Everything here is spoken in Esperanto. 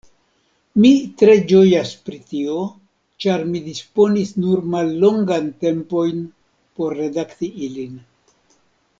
Mi tre ĝojas pri tio, ĉar mi disponis nur mallongajn tempojn por redakti ilin.